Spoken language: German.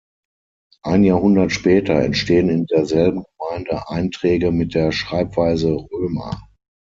Ein Jahrhundert später entstehen in derselben Gemeinde Einträge mit der Schreibweise "Römer".